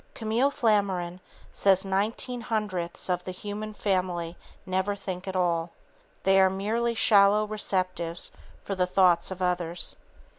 Camille Flammarion says nineteen hundredths of the human family never think at all. They are merely shallow receptives for the thoughts of others.